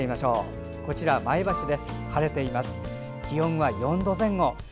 気温は４度前後。